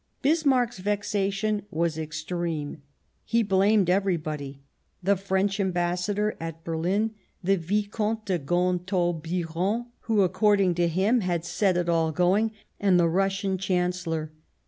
Bismarck's vexation was extreme ; he blamed everybody — the French Ambassador at Berlin, the Vicomte de Gontaut Biron, who, according to him, had set it all going, and the Russian Chancellor.